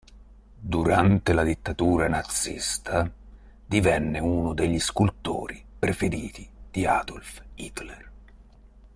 Durante la dittatura nazista, divenne uno dei scultori preferiti di Adolf Hitler.